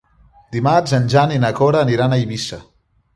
Dimarts en Jan i na Cora aniran a Eivissa.